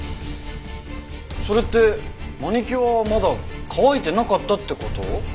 それってマニキュアはまだ乾いてなかったって事？